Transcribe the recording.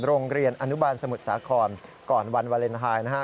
โรงเรียนอนุบาลสมุทรสาครก่อนวันวาเลนไทยนะฮะ